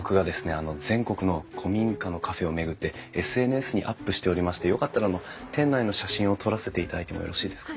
全国の古民家のカフェを巡ってＳＮＳにアップしておりましてよかったらあの店内の写真を撮らせていただいてもよろしいですか？